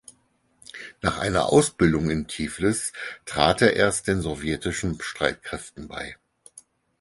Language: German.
Nach einer Ausbildung in Tiflis trat er erst den sowjetischen Streitkräften bei.